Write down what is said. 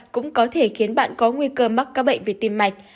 cũng có thể khiến bạn có nguy cơ mắc các bệnh về tim mạch